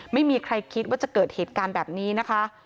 ไม่มีใครคิดว่าจะเกิดเหตุการณ์แบบนี้นะคะ